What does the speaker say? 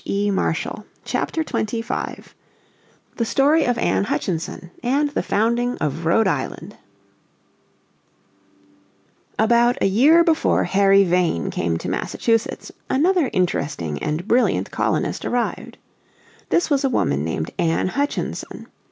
__________ Chapter 25 The Story of Anne Hutchinson and the Founding of Rhode Island About a year before Harry Vane came to Massachusetts another interesting and brilliant colonist arrived. This was a woman named Anne Hutchinson.